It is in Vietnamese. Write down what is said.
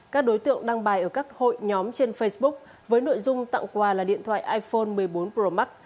các đối tượng đăng bài ở các hội nhóm trên facebook với nội dung tặng quà là điện thoại iphone một mươi bốn pro max